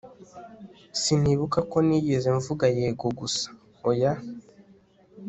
sinibuka ko nigeze mvuga yego gusa oya